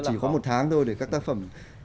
chỉ có một tháng thôi để các tác phẩm